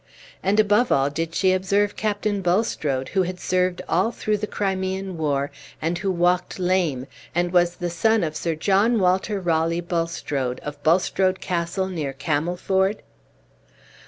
and above all, did she observe Captain Bulstrode, who had served all through the Crimean war, and who walked lame, and was the son of Sir John Walter Raleigh Bulstrode, of Bulstrode Castle, near Camelford?"